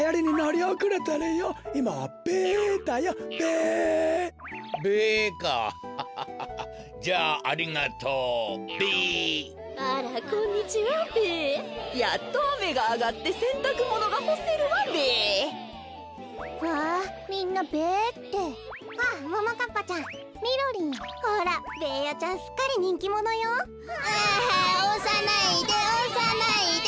わあおさないでおさないでべ。